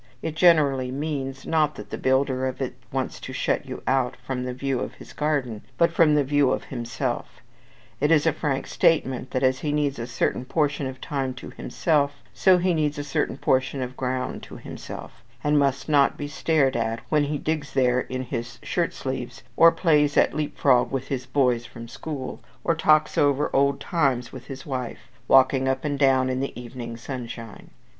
It generally means, not that the builder of it wants to shut you out from the view of his garden, but from the view of himself: it is a frank statement that as he needs a certain portion of time to himself, so he needs a certain portion of ground to himself, and must not be stared at when he digs there in his shirt sleeves, or plays at leapfrog with his boys from school, or talks over old times with his wife, walking up and down in the evening sunshine.